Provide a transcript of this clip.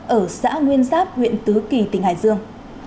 ở xã nguyên giáp huyện tứ kỳ tỉnh hải dương